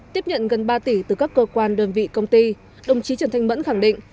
tiếp nhận gần ba tỷ từ các cơ quan đơn vị công ty đồng chí trần thanh mẫn khẳng định